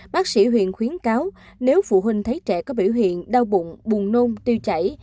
bác sĩ huyền khuyến cáo nếu phụ huynh thấy trẻ có biểu hiện đau bụng bùn nôn tiêu chảy